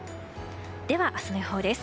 では、明日の予報です。